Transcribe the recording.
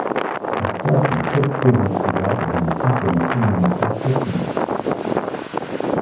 Il passe les sept saisons suivantes dans les championnats semi-amateur portugais.